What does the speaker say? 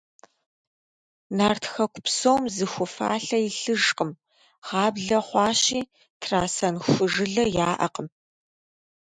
Нарт хэку псом зы ху фалъэ илъыжкъым, гъаблэ хъуащи, трасэн ху жылэ яӀэкъым.